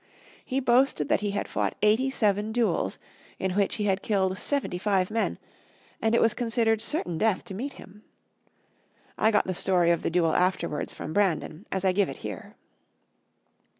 He boasted that he had fought eighty seven duels, in which he had killed seventy five men, and it was considered certain death to meet him. I got the story of the duel afterwards from Brandon as I give it here.